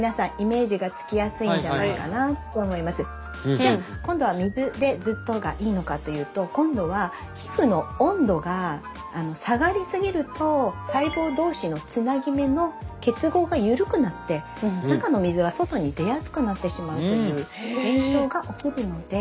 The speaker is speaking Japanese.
じゃあ今度は水でずっとがいいのかというと今度は皮膚の温度が下がり過ぎると細胞同士のつなぎ目の結合が緩くなって中の水は外に出やすくなってしまうという現象が起きるので。